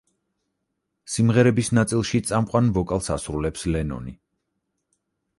სიმღერების ნაწილში წამყვან ვოკალს ასრულებს ლენონი.